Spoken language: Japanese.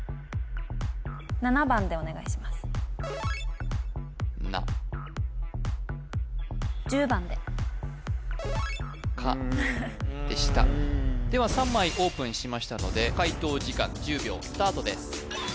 お願いしますでは３枚オープンしましたので解答時間１０秒スタートです